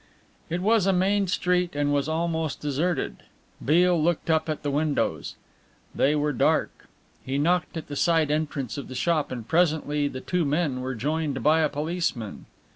It was a main street and was almost deserted. Beale looked up at the windows. They were dark. He knocked at the side entrance of the shop, and presently the two men were joined by a policeman.